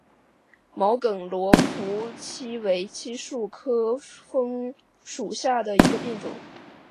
毛梗罗浮槭为槭树科枫属下的一个变种。